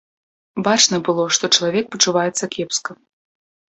Бачна было, што чалавек пачуваецца кепска.